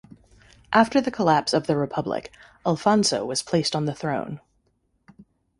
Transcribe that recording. After the collapse of the Republic, Alfonso was placed on the throne.